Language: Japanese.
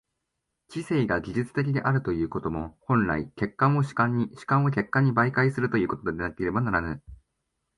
知性が技術的であるということも、本来、客観を主観に、主観を客観に媒介するということでなければならぬ。